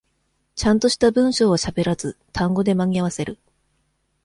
ちゃんとした文章をしゃべらず、単語で間に合わせる。